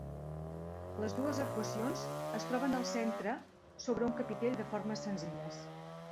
Les dues arcuacions es troben al centre sobre un capitell de formes senzilles.